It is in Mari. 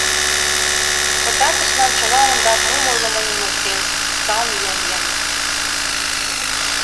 Пытартышлан, чыла ондак мом ойлымым ӱмылтен, псалме йоҥген.